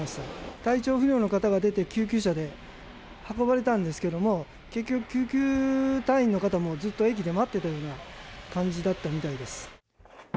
体調不良の方が出て、救急車で運ばれたんですけれども、結局、救急隊員の方もずっと駅で待ってたような感じだったみたいです。